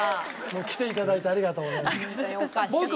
もう来て頂いてありがとうございます。